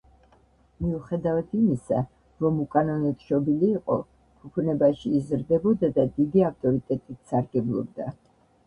მიუხედავად იმისა, რომ უკანონოდ შობილი იყო, ფუფუნებაში იზრდებოდა და დიდი ავტორიტეტით სარგებლობდა.